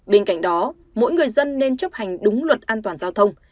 bên cạnh đó mỗi người dân nên chấp hành đúng luật an toàn giao thông